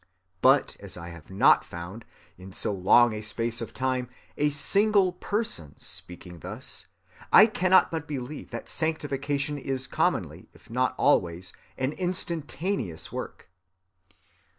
But as I have not found, in so long a space of time, a single person speaking thus, I cannot but believe that sanctification is commonly, if not always, an instantaneous work."